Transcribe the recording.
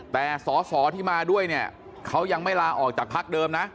แต่สอที่มาด้วยเขายังไม่ลาออกจากภักดิ์เดิมนะ